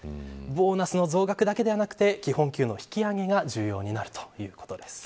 ボーナスの増額だけではなくて基本給の引き上げが重要になるということです。